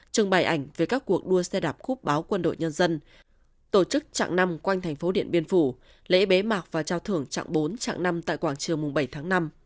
trưng bày ảnh về các cuộc đua xe đạp khúc báo quân đội nhân dân tổ chức trạng năm quanh thành phố điện biên phủ lễ bế mạc và trao thưởng chặng bốn trạng năm tại quảng trường mùng bảy tháng năm